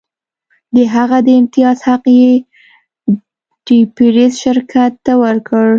د هغه د امتیاز حق یې ډي بیرز شرکت ته ورکړ.